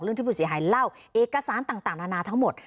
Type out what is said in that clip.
ที่ผู้เสียหายเล่าเอกสารต่างนานาทั้งหมด